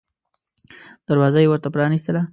دروازه یې ورته پرانیستله.